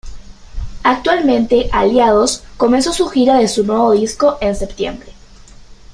Actualmente Aliados comenzó su gira de su nuevo disco en septiembre.